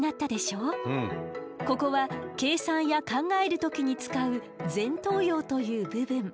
ここは計算や考える時に使う前頭葉という部分。